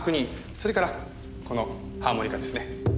それからこのハーモニカですね。